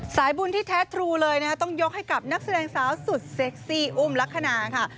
สายบุญที่แท้ทรูเลยนะคะต้องยกให้กับนักแสดงสาวสุดเซ็กซี่อุ้มลักษณะค่ะ